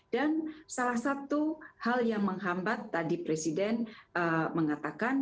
dan salah satu hal yang menghambat tadi presiden mengatakan